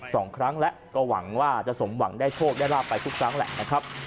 สองครั้งแล้วก็หวังว่าจะสมหวังได้โชคได้ราบไปทุกครั้งแหละนะครับ